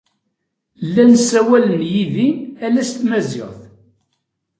Llan ssawalen yid-i ala s tmaziɣt.